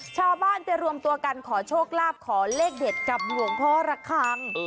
ชาวบ้านไปรวมตัวกันขอโชคลาภขอเลขเด็ดกับหลวงพ่อระคัง